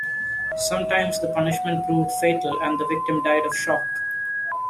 Sometimes the punishment proved fatal and the victim died of shock.